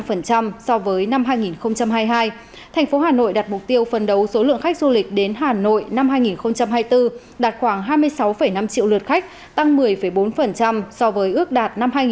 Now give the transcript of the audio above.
trong các chỉ tiêu của ngành du lịch hà nội năm hai nghìn hai mươi hai thành phố hà nội đạt mục tiêu phần đấu số lượng khách du lịch đến hà nội năm hai nghìn hai mươi bốn đạt khoảng hai mươi sáu năm triệu lượt khách tăng một mươi bốn so với ước đạt năm hai nghìn hai mươi ba